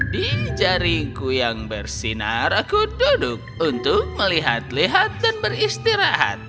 di jaringku yang bersinar aku duduk untuk melihat lihat dan beristirahat